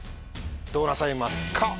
どうなさいますか？